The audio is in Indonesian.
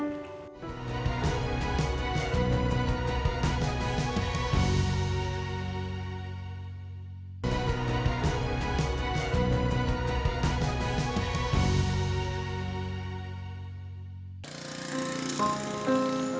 masih tidak ada yang bisa diberikan kemampuan untuk membuatnya